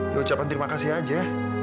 ya ucapan terima kasih aja